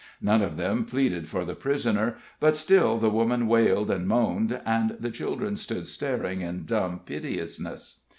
None of them pleaded for the prisoner, but still the woman wailed and moaned, and the children stood staring in dumb piteousness.